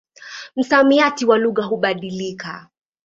Msamiati wa lugha hubadilika.